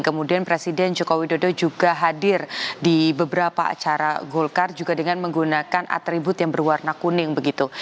kemudian presiden jokowi dodo juga hadir di beberapa acara golkar juga dengan menggunakan atribut yang berwarna kuning begitu